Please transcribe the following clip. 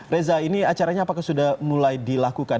reza ini acaranya apakah sudah mulai dilakukan